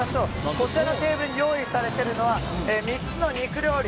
こちらのテーブルに用意されているのは３つの肉料理。